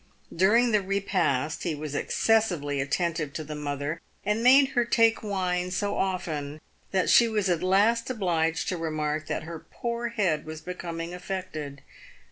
During the repast he was excessively attentive to the mother, and made her take wine so often that she was at last obliged to remark that her poor head was becoming affected.